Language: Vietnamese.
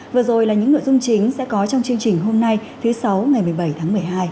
vừa rồi là những nội dung chính sẽ có trong chương trình hôm nay thứ sáu ngày một mươi bảy tháng một mươi hai